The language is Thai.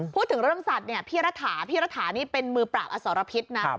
พูดถึงเรื่องสัตว์เนี่ยพี่รัฐาพี่รัฐานี่เป็นมือปราบอสรพิษนะ